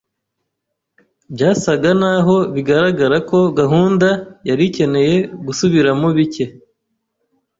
Byasaga naho bigaragara ko gahunda yari ikeneye gusubiramo bike.